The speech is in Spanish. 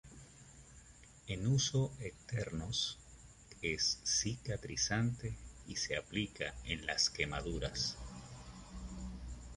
En uso externos es cicatrizante y se aplica en las quemaduras.